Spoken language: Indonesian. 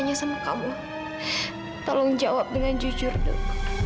yang pertama aku pengen keluarg sticks